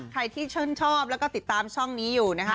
ใครที่ชื่นชอบแล้วก็ติดตามช่องนี้อยู่นะคะ